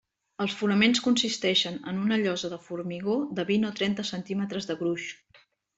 Els fonaments consisteixen en una llosa de formigó de vint o trenta centímetres de gruix.